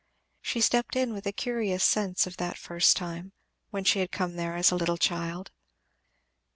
She stepped in with a curious sense of that first time, when she had come there a little child.